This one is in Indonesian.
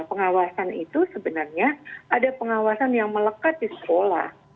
pengawasan itu sebenarnya ada pengawasan yang melekat di sekolah